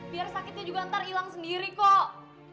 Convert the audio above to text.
biar sakitnya juga ntar hilang sendiri kok